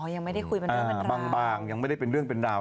อ๋อยังไม่ได้คุยเป็นเรื่องเป็นราว